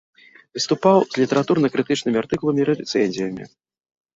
Выступаў з літаратурна-крытычнымі артыкуламі і рэцэнзіямі.